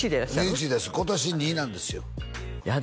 １です今年２なんですよやだ